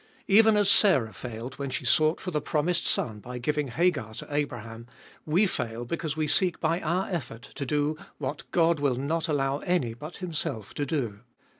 Even as Sarah failed when she sought for the promised son by giving Hagar to Abraham, we fail because we seek by our effort to do what God will not allow any but Himself to do.